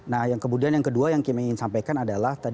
nah kemudian yang kedua yang ingin saya sampaikan adalah